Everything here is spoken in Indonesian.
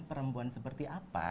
perempuan seperti apa